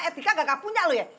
etika nggak kepunya lo ya